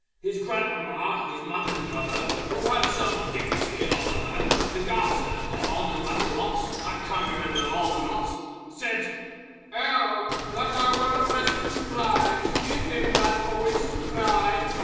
His grandmamma, His Mother's Mother, Who had some dignity or other, The Garter, or no matter what, I can't remember all the Lot! Said "Oh! that I were Brisk and Spry To give him that for which to cry!"